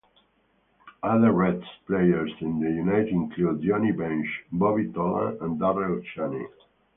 Other Reds players in the unit included Johnny Bench, Bobby Tolan and Darrel Chaney.